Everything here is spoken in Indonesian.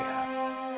dan karena itu